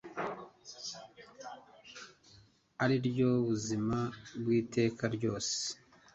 ari ryo buzima bw iteka ryose